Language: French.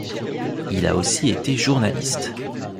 Il a aussi été journaliste.